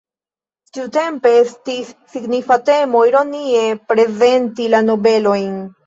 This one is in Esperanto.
Tiutempe estis signifa temo ironie prezenti la nobelojn.